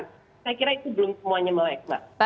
saya kira itu belum semuanya melek mbak